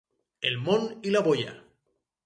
El món i la bolla.